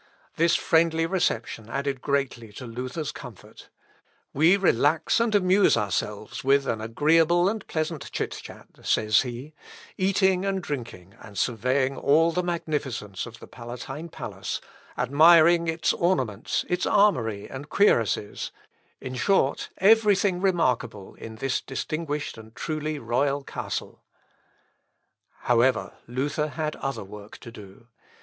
This friendly reception added greatly to Luther's comfort. "We relax and amuse ourselves with an agreeable and pleasant chit chat," says he, "eating and drinking, and surveying all the magnificence of the Palatine palace, admiring its ornaments, its armoury, and cuirasses; in short, every thing remarkable in this distinguished and truly royal castle." "Ihr habt bei Gott einen köstlichen Credenz." (Luth. Ep. i, p. 111.) However, Luther had other work to do.